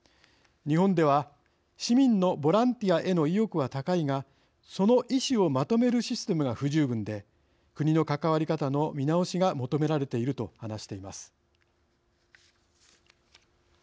日本では市民のボランティアへの意欲は高いがその意思をまとめるシステムが不十分で国の関わり方の見直しが求められている」と話しています。